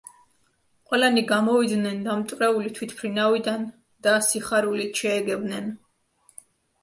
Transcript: ყველანი გამოვიდნენ დამტვრეული თვითმფრინავიდან და სიხარულით შეეგებნენ.